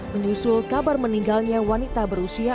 menyusul kabar meninggalnya wanita berusia empat puluh empat